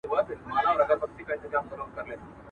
ورته راغله د برکلي د ښکاریانو.